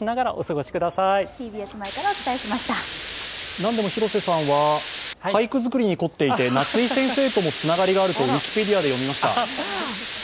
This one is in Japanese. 何でも広瀬さんは、俳句づくりに凝っていて、夏井先生ともつながりがあるとウィキペディアで読みました。